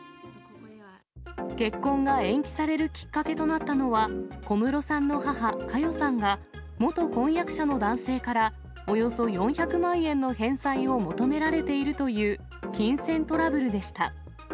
結婚が延期されるきっかけとなったのは、小室さんの母、佳代さんが、元婚約者の男性からおよそ４００万円の返済を求められているという金銭トラブルでした。